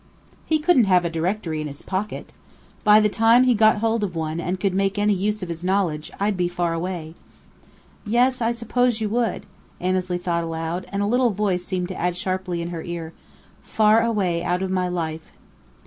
"He couldn't have a directory in his pocket! By the time he got hold of one and could make any use of his knowledge, I'd be far away." "Yes, I suppose you would," Annesley thought aloud, and a little voice seemed to add sharply in her ear: "Far away out of my life."